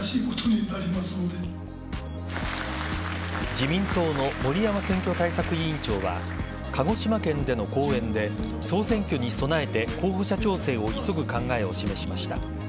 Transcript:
自民党の森山選挙対策委員長は鹿児島県での講演で総選挙に備えて候補者調整を急ぐ考えを示しました。